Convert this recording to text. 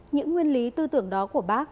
những nguyên lý tư tưởng đó của bác